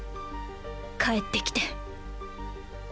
帰ってきて。